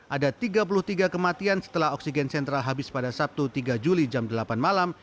ada tiga puluh tiga kematian setelah oksigen sentral habis pada sabtu tiga juli jam delapan malam